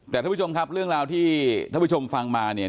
แต่ท่านผู้ชมครับเรื่องราวที่ท่านผู้ชมฟังมาเนี่ย